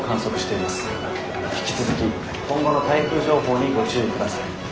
引き続き今後の台風情報にご注意ください」。